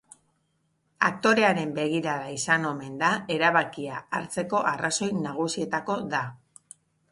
Aktorearen begirada izan omen da erabakia hartzeko arrazoi nagusietako da.